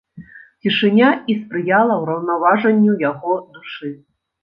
Цішыня і спрыяла ўраўнаважанню яго душы.